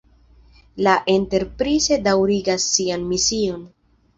La Enterprise daŭrigas sian mision.